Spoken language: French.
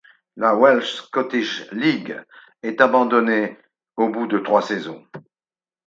La Welsh-Scottish League est abandonnée au bout de trois saisons.